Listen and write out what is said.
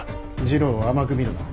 次郎を甘く見るな。